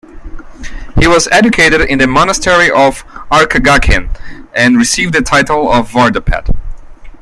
He was educated in the Monastery of Arkakaghin, and received the title of vardapet.